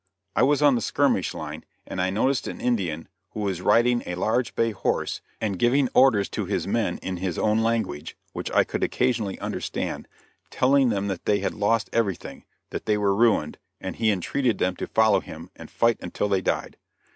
I was on the skirmish line, and I noticed an Indian, who was riding a large bay horse, and giving orders to his men in his own language which I could occasionally understand telling them that they had lost everything, that they were ruined, and he entreated them to follow him, and fight until they died.